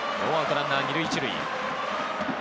ランナー２塁１塁。